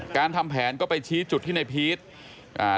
การทำแผนก็ไปชี้จุดที่นายพีช